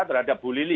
terhadap bu lili